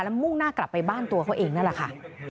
มุ่งหน้ากลับไปบ้านตัวเขาเองนั่นแหละค่ะ